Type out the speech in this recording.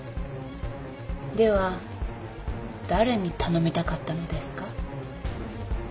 では誰に頼みたかったのですか？